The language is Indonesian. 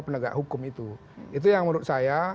penegak hukum itu itu yang menurut saya